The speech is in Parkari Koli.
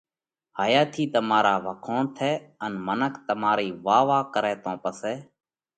هائِيا ٿِي تمارا وکوڻ ٿئہ ان منک تمارئِي واه واه ڪرئہ تو پسئہ